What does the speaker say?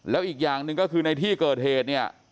แล้วอีกอย่างหนึ่งก็คือในที่เกิดเหตุเนี่ย